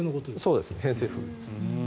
そうです、偏西風です。